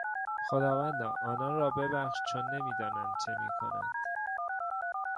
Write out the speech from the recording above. خداوندا آنان را ببخش چون نمیدانند چه میکنند.